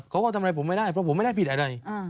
เขาก็ทำอะไรผมไม่ได้เพราะผมไม่ได้ผิดอะไร